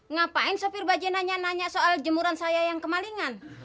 ngapain sopir bajian nanya nanya soal jemuran saya yang kemalingan